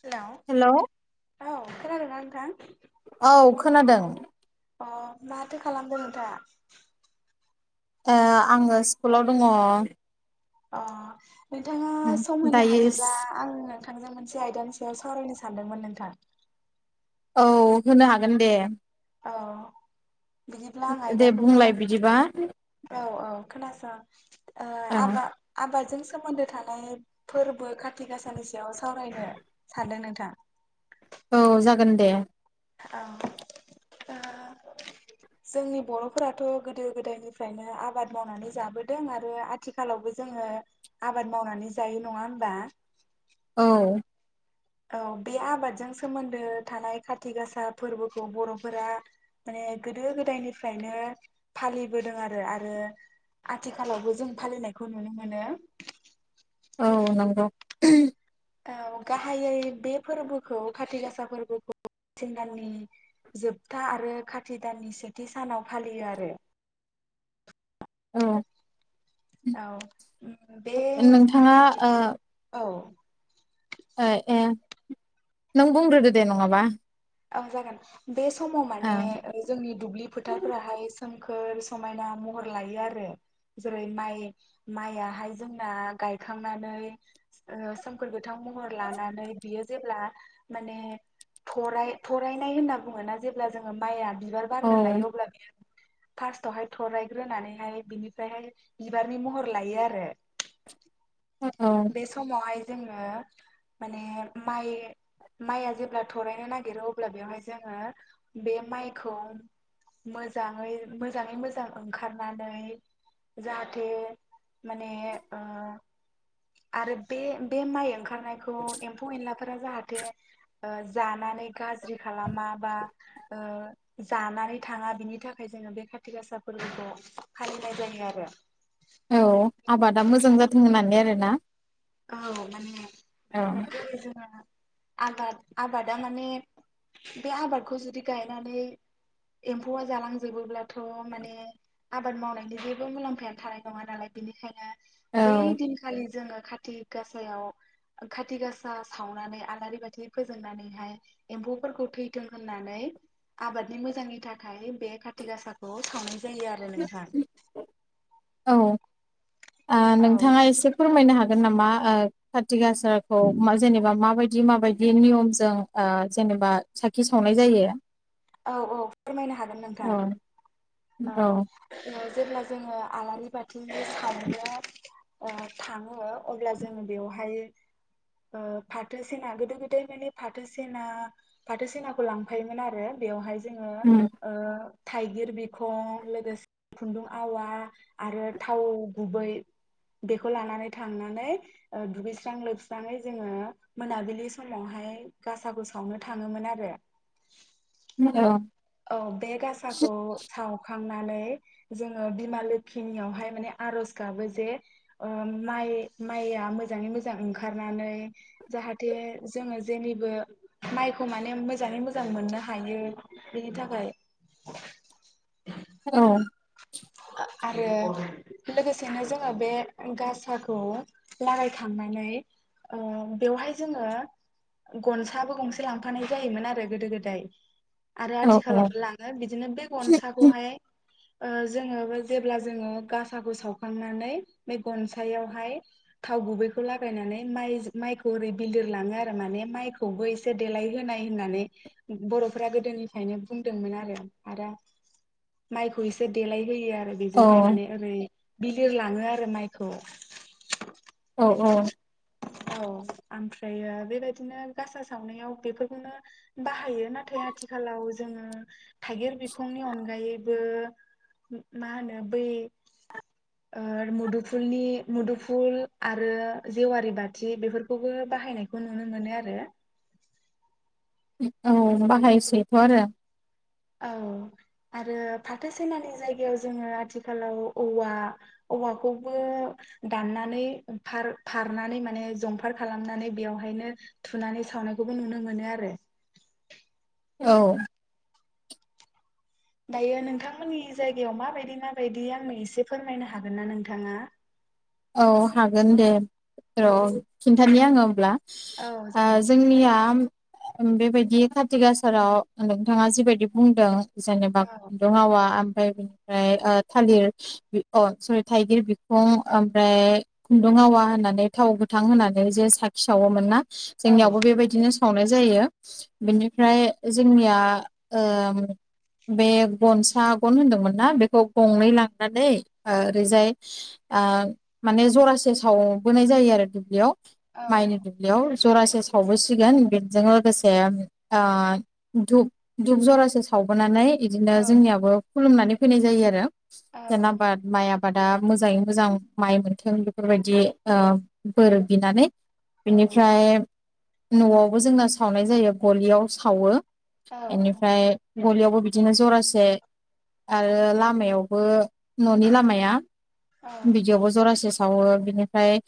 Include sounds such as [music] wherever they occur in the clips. Hello औ खोनादोंना नों? [unintelligible] औ खोनादों। अ माथो खालामदों नोंथाङा? ए आङो स्कुलाव दङ। अ नोंथाङा सम होनो दायो हायोब्ला आं नों नोंथांजों मोनसे आयदानि सायाव सावरायनो सानदोंमोन नोंथां। औ होनो हागोन दे। औ बिदिब्ला आं दे आयदाखौ बुंलाय बुंलांनि बिदिबा औ औ खोनासं ओ आबा आबाद जों सोमोन्दो थानाय फोरबो खाथि गाासानि सायाव सावरायनो सानदों नोंथां। औ जागोन दे। अ ओ जोंनि बर'फोराथ' गोदो गोदायनिफ्रायनो आबाद मावनानै जाबोदों आरो आथिखालावबो जोङो आबाद मावनानै जायो नङा होमबा।? औ औ बे आबादजों सोमोन्दो थानाय खाथि गासा फोरबोखौ बर'फोरा माने गोदो गोदायनिफ्रायनो फालिबोदों आरो आरो आथिखालावबो जों फालिनायखौ नुनो मोनो। औ नंगौ। औ गाहायै बे फोरबोखौ खाथि गासा फोरबोखौ [unintelligible] सिन दाननि जोबथा आरो खाथि दाननि सेथि सानाव फालियो आरो। औ औ बे नोंथाङा खाथि औ ऐ ए नों बुंग्रोदो दे नङाबा। औ जागोन। बे समाव औ माने जोंनि दुब्लि फोथारफोराहाय सो सोमखोर समायना महर लायो आरो जेरै माइ माइआहाय जोंना गायखांनानै सोमखोर गो थां महर लानानै बियो जेब्ला माने थराय थरायनाय होनना बुङोना जेब्ला जोङो माइआ बिबार औ बारनो लायो अब्ला बियो फार्स्टावहाय थरायग्रोनानैहाय बिनिफ्रायहाय बिबारनि महर लायो आरो। बे समाव हाय जोङो माने माइ माइआ जेब्ला थरायनो नागिरो अ अब्ला बेवहाय जोङो बे माइखौ मोजाङै मोजाङै मोजां ओंखारनानै जाहाथे माने ओ आरो बे बे माइ ओंखा बुथारनायखौ एमफौ एनला फोरो जाहाथे ओ जानानै गाज्रि खालामा बा ओ जानानै थाङा बिनि थाखाय जोङो बे खाथि गासा फोरबोखौ फालिनाय जायो आरो। औ आबादा मोजां जाथों होननानै आरोना। औ माने औ जोंनि आबाद आबादा माने बे आबादखौ जुदि गायनानै एम्फौआ जालांजोबोब्लाथ' माने आबाद मावनायनि जेबो मुलाम्फाया थानाय नङा नालाय बेनिखायनो बै औ दिनखालि जोङो खाथि गासायाव खाथि गासा सावनानै आलारि बाथि फोजोंनानैहाय एम्फौफोरखौ थैथों होननानै आबादनि मोजांनि थाखाय बे खाथि गासाखौ सावनाय जायो आरो नोंथां। औ ओ औ नोंथाङा एसे फोरमायनो हागोन नामा ओ काति गासाखौ मा जेनेबा माबायदि माबायदि नियमजों ओ जेनेबा साखि सावनाय जायो। औ औ फोरमायनो हागोन नोंथां औ औ जेब्ला जोङो आलारि बाथि सावनो ओ थाङो अब्ला जोंङो बेवहाय ओ फाथो सेना गोदो गोदाय माने फाथो सेना फाथो सेनाखौ लांफायोमोन आरो बेवहाय जोङो उम ओ थाइगिर बि खं लोगोसे खुन्दुं आवा आरो थाव गुबै बेखौ लानानै थांनानै ओ दुगैस्रां लोबस्राङै जोङो मोनाबिलि समावहाय गासाखौ सावनो थाङोमोन आरो औ [unintelligible] औ बे गासाखौ साव खांनानै जोङो बिमा लोखिनियावहाय माने आरज गाबो जे ओ माइ माइआ मोजाङै मोजां ओंखारनानै जाहाथे जोङो जेनिबो माइखौ माने मोजाङै मोजां मोननो हायो बेनि थाखाय औ आरो लोगोसेनो जोङो बे गासाखौ लागायखांनानै ओ बेवहाय जोङो गनसाबो गंसे लांफानाय जायोमोन आरो गोदो गोदाय। आरो औ आथिखालावबो लाङो बिदिनो बे गनसाखौहाय ओ जोङो बे जेब्ला जोङो गासाखौ सावखांनानै बे गनसायावहाय थाव गुबैखौ लागायनानै माइ माइखौ ओरै बिलिर लाङो आरो माने माइखौबो एसे देलायहोनाय होननानै बर'फोरा गोदोनिफ्रायनो बुंदोंमोन आरो आरो माइखौ एसे देलाय होयो बेजोंहाय औ माने ओरै बिलिर लाङो आरो माइखौ अ औ आमफ्रायो बेबायदिनो गासा सावनायाव बेफोरखौनो बाहायो नाथाय आथिखालाव जोङो थाइगिर बिखंनि अनगायैबो मा होनो बै ओ मुदुफुलनि मुदुफुल आरो जेवारि बाथि बेफोरखौबो बाहायनायखौ नुनो मोनो आरो औ बाहायसैथ' आरो औ आरो फाथो सेनानि जायगायाव जोङो आथिखालाव औवा औवाखौबो दाननानै फार फारनानै माने जंफार खालामनानै बेवहायनो थुनानै सावनायखौबो नुनो मोनो आरो औ दायो नोंथांमोननि जायगायाव माबायदि माबायदि आंनो एसे फोरमायनो हागोन ना नोंथाङा? औ हागोन दे र' औ खिनथानि आङो। अब्ला औ आ जागोन जोंनिया बेबायदि कारतिक आसाराव नोंथाङा जिबायदि बुंदों जेनेबा औ खुन्दुं आवा ओमफ्राय बिनिफ्राय आ थालिर अ सरि थाइगिर बिखं ओमफ्राय खुन्दुं आवा होनानै थाव गोथां होनानै जे साखि सावोमोन ना? औ जोंनियावबो बेबायदिनो सावनाय जायो बिनिफ्राय जोंनिया ओ बे गनसा गन होनदोंमोन ना बेखौ गंनै लांनानै ओरैजाय ओ माने जरासे सावबोनाय जायो आरो दुब्लियाव। औ माइनि दुब्लियाव जरासे सावबोसिगोन बेजों लोगोसे ओ घुप धुप जरासे सावबोनानै इदिनो औ जोंनियावबो खुलुमनानै फैनाय जायो आरो। औ जेनबा माइ आबाद आबादा मोजाङै मोजां माइ मोनथों बेफोरबायदि ओ बोर बिनानै औ बेनिफ्राय न'आवबो जोंना सावनाय जायो गलियाव सावो। औ एनिफ्राय ग'लियावबो बिदिनो जरासे आरो लामायावबो न'नि लामाया औ बिदियावबो जरासे। सावो बिनिफ्राय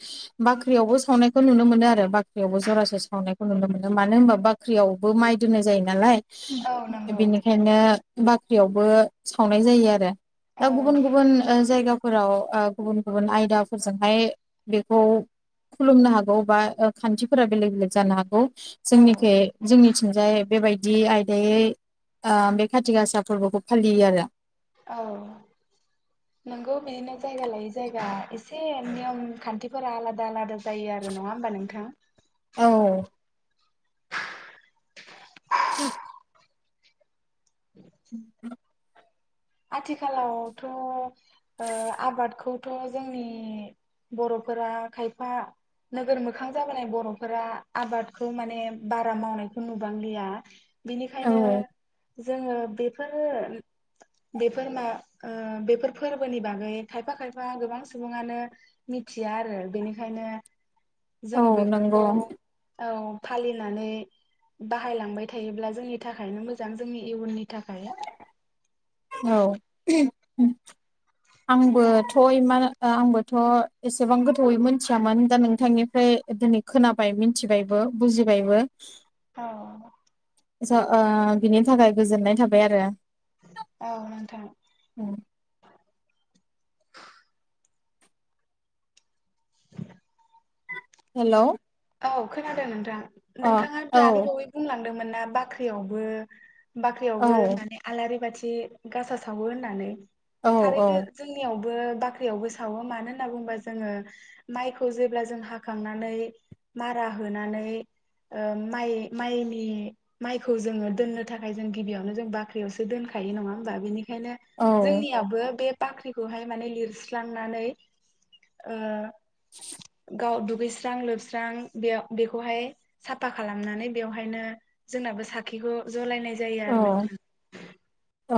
बाख्रियावबो सावनायखौ नुनो मोनो आरो बाख्रियावबो जरासे सावनायखौ नुनो मोनो मानो होनबा बाख्रियावबो माइ दोननाय जायो नालाय। औ नंगौ बेनिखायनो बाख्रियावबो सावनाय जायो आरो। औ दा गुबुन गुबुन ओ जायगा फोराव ओ गुबुन गुबुन आयदाफोरजोंहाय बेखौ खुलुमनो हागौ बा खानथिफोरा बेलेक बेलेक जानो हागौ। औ जोंनिथि जोंनिथिंजाय बेबायदि बि आयदायै आ बे खाथि गासा फोरबोखौ फालियो आरो। औ नंगौ बेनो जायगा लायै जायगा एसे नियम खानथिफोरा आलादा आलादा जायो आरो नङा होमबा नोंथां। औ [inaudible] [inaudible] [inaudible] आथिखालावथ' ओ आबादखौथ' जोंनि बर'फोरा खायफा नोगोर मोखां जाबोनाय बर'फोरा आबादखौ माने बारा मावनायखौ नुबांलिया। बिनिखायनो औ जोङो बेफोरो बेफोर मा ओ बेफोर फोरबोनि बागै खायफा खायफा गोबां सुबुङानो मिथिया आरो बेनिखायनो औ जोङो नंगौ बेफोरखौ औ फालिनानै बाहायलांबाय थायोब्ला जोंनि थाखायनो मोजां जोंनि इयुननि थाखाय। औ आंबोथ' मा आंबोथ' एसेबां गोथौै मिथियामोन दा नोंथांनिफ्राय दिनै खोनाबाय मिथिबायबो बुजिबायबो। औ। ओ बिनि थाखाय गोजोननाय थाबाय आरो। औ नोंथां। हेल'। औ खोनादों नोंथां। नोंथाङा औ दानि बावै बुंलां दोंमोनना बाख्रियावबो बाख्रियावबो औ माने आलारि बाथि ए गासा सावो होननानै। औ थारैनो जोंनियाव। बाख्रियावबो सावो मानो होनना बुङोबा जोङो माइखौ जेब्ला जों हाखांनानै। मारा होनानै माइ माइनि माइखौ जोङो दोननो थाखाय जों गिबियावनो जों बाख्रियावसो दोनखायो नङा होमबा बेनि बेखायनो जोंनियाबो बे बाख्रिखौहाय माने लिरस्रांनानै [inaudible] गाव दुगैस्रां लोब बेखौहाय साफा खालामनानै बेवहायनो जोंनाबो साखिखौ जरायनाय जायो आरो नोंथां। अ।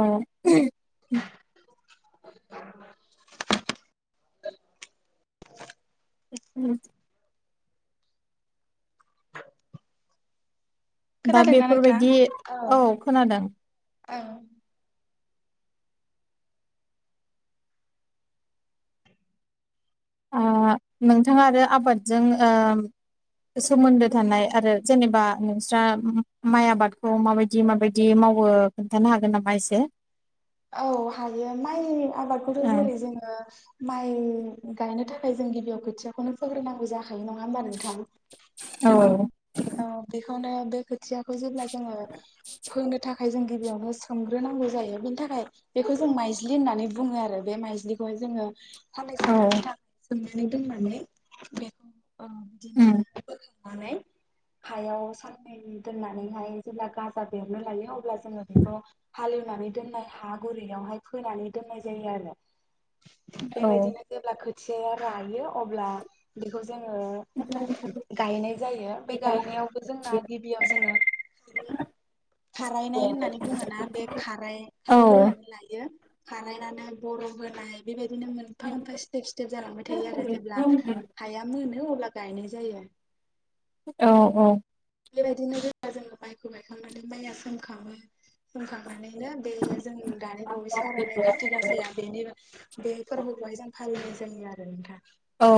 [inaudible] [inaudible] दा खोनादोंना बेफोर नोंथां? बायदि औ खोनादों। औ। नोंथाङा आरो आबादजों सोमोन्दो थानाय आरो जेनेबा नोंस्रा माइ आबादखौ माबायदि माबायदि मावो खोन्थानो हागोन नामा एसे। औ हायो माइ आबादखौथ' ओं जेरै जोङो माइ। गायनो थाखाय जों गिबियाव खोथियाखौनो फोग्रोनांगौ जाखायो नङा होनबा नोंथां। औ। औ बेखौनो बे खोथियाखौ जेब्ला जोङो फोंनो थाखाय। फायजों गिबियावनो सोमग्रोनांगौ जायो बिनि थाखाय बेखौ जों माइज्लि होननानै बुङोआरो बे माइज्लिखौहाय जोङो [unintelligible] अ नोंथां सोमनानै दोननानै बेखौ अ बिदिनो [unintelligible] माने हायाव साननै दोननानैहाय जेब्ला गाजा बेरनो लायो अब्ला जोङो बेखौ हालेवनानै दोननाय हा गुरैयावहाय फोनानै दोननाय जायो आरो औ बेबायदिनो जेब्ला खो खोथियाया रायो अब्ला बेखौ जो जोङो गायनाय जायो बे गायनायावबो जोंना गिबियाव जोङो खारायनाय होननानै बुङोना बे खाय खारायग्रोनानै लायो खारायनानै बर'फ होनाय बेबाय बिनो मोनफा मोनाफा इस्तेप इस्तेप जालांबाय थायो आरो जेब्ला हाया मोनो नो अब्ला गायनाय जायो आ औ औ बेबायदिनो जेब्ला जोङो माइखौ गायखांनानै माइआ सोमखाङो सोमखांनानै बिनो बे जों दानि बावै सावरायनाय काति गासाया बेनि-बे फोरबोखौहाय जों फालियो जा जोंनि आरो नोंथां औ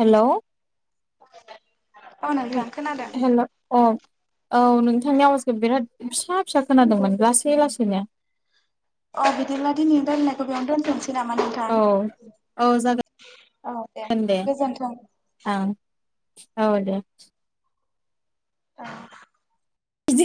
हेलौ औ नोंथां खोनादों औ औ नोंथांनि आवासखौ बिराद फिसा फिसा खोनादोंमोन लासै लासैनो अ बिदिब्ला दिनैनि रायलायनायखौ बेयावनो दोनथनसै नामा औ नोंथां औ औ दे गोजोनथों ओं औ दे औ